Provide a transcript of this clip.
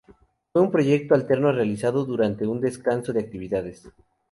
Fue un proyecto alterno realizado durante un "descanso" de actividades.